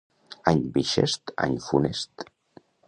Any bixest, any funest.